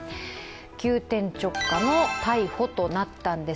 急転直下の逮捕となりました。